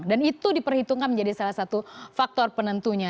dan itu diperhitungkan menjadi salah satu faktor penentunya